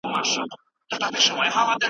غاښونه په ورځ کي څو ځله مینځل کیږي؟